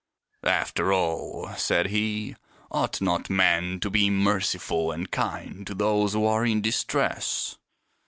" After all," said he, " ought not men to be merci ful and kind to those who are in distress?